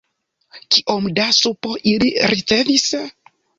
Kiom da supo ili ricevis?